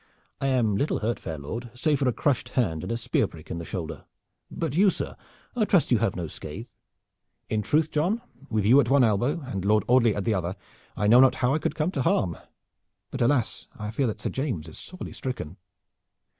"I am little hurt, fair lord, save for a crushed hand and a spear prick in the shoulder. But you, sir? I trust you have no scathe?" "In truth, John, with you at one elbow and Lord Audley at the other, I know not how I could come to harm. But alas! I fear that Sir James is sorely stricken."